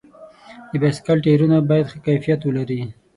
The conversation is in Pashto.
د بایسکل ټایرونه باید ښه کیفیت ولري.